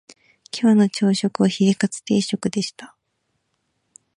今日の朝食はヒレカツ定食でした